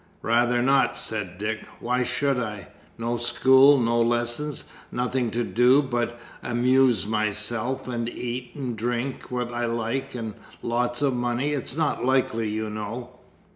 "Rather not," said Dick. "Why should I? No school, no lessons, nothing to do but amuse myself, eat and drink what I like, and lots of money. It's not likely, you know."